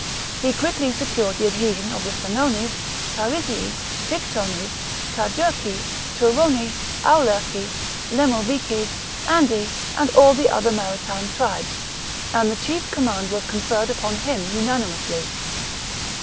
He quickly secured the adhesion of the Senones, Parisii, Pictones, Cadurci, Turoni, Aulerci, Lemovices, Andi, and all the other maritime tribes ; and the chief command was conferred upon him unanimously.